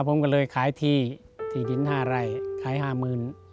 ผมก็เลยขายที่จิรินทราบอะไรขาย๕มื่น